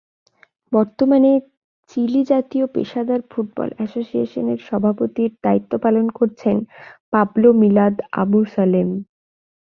বর্তমানে চিলি জাতীয় পেশাদার ফুটবল অ্যাসোসিয়েশনের সভাপতির দায়িত্ব পালন করছেন পাবলো মিলাদ আবুসলেমে।